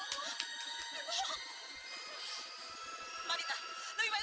mbak nita lebih baik mbak nita pulang